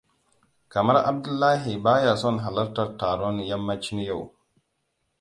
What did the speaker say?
Kamar Abdullahi baya son halartar taron yammacin yau.